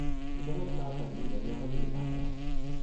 mi ken ala tawa tan ni: len noka mi li pakala.